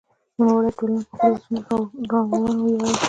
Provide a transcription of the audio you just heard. نوموړې ټولنه په خپلو لاسته راوړنو ویاړي.